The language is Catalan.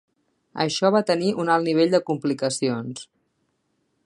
Això va tenir un alt nivell de complicacions.